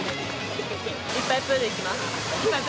いっぱいプール行きます。